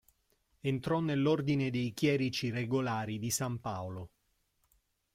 Entrò nell'ordine dei Chierici regolari di San Paolo.